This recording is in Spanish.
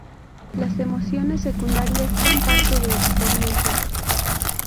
Las emociones secundarias son parte de experiencias.